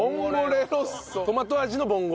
トマト味のボンゴレ。